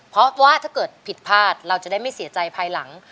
เพราะว่าถ้าเกิดผิดพลาดเราจะได้ไม่เสียใจภายหลัง